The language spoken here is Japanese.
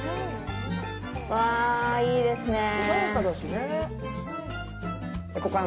うわぁ、いいですねぇ。